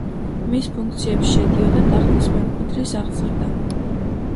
მის ფუნქციებში შედიოდა ტახტის მემკვიდრის აღზრდა.